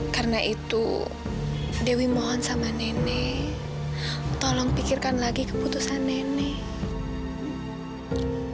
karena itu dewi mohon sama nenek tolong pikirkan lagi keputusan nenek